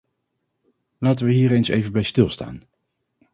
Laten we hier eens even bij stilstaan.